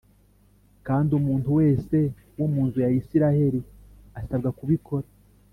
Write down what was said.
Kandi umuntu wese wo mu nzu ya Isirayeli asabwa kubikora